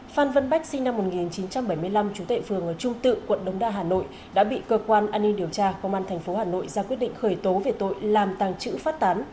phan văn bách sinh năm một nghìn chín trăm bảy mươi năm trú tệ phường trung tự quận đống đa hà nội đã bị cơ quan an ninh điều tra công an tp hà nội ra quyết định khởi tố về tội làm tàng trữ phát tán